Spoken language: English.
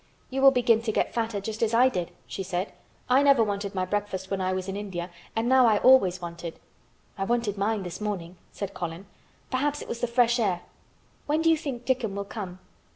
"You will begin to get fatter just as I did," she said. "I never wanted my breakfast when I was in India and now I always want it." "I wanted mine this morning," said Colin. "Perhaps it was the fresh air. When do you think Dickon will come?"